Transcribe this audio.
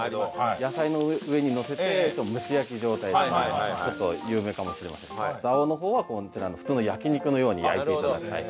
野菜の上にのせて蒸し焼き状態のものがちょっと有名かもしれませんけど蔵王の方は普通の焼肉のように焼いて頂くタイプ。